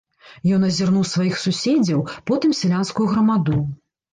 Ён азірнуў сваіх суседзяў, потым сялянскую грамаду.